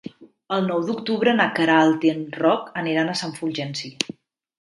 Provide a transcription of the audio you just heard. El nou d'octubre na Queralt i en Roc aniran a Sant Fulgenci.